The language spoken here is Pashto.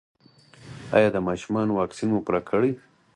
ایا د ماشومانو واکسین مو پوره کړی؟